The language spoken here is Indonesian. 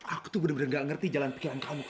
aku tuh bener bener gak ngerti jalan pikiran kamu